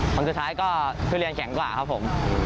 คนสุดท้ายก็คือเรียนแข็งกว่าครับผม